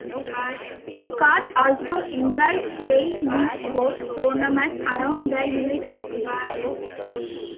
Scott also enjoys playing in golf tournaments around the United States.